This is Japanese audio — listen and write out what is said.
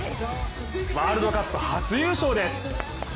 ワールドカップ初優勝です。